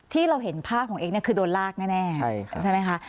ที่เราเห็นภาพของเอ็กซ์คือโดนลากแน่ใช่ไหมคะ